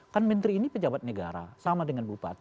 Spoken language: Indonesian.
kan menteri ini pejabat negara sama dengan bupati